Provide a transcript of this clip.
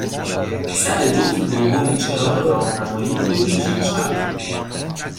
سر جفت دوم چراغ راهنمایی، بپیچید چپ.